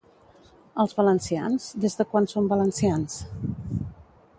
Els valencians, des de quan són valencians?